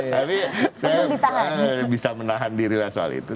tapi saya bisa menahan dirilah soal itu